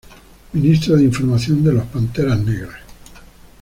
Ministro de Información de los Panteras Negras.